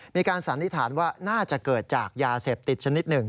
สันนิษฐานว่าน่าจะเกิดจากยาเสพติดชนิดหนึ่ง